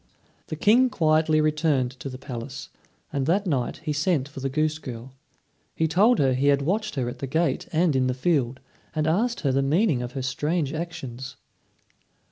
The King quietly returned to the palace, and that night he sent for the goose girl. He told her he had watched her at the gate and in the field, and asked her the meaning of her strange actions.